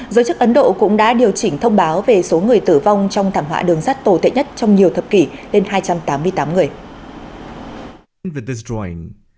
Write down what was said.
giới chức ấn độ cũng đã điều chỉnh thông báo về số người tử vong trong thảm họa đường sắt tồi tệ nhất trong nhiều thập kỷ lên hai trăm tám mươi tám người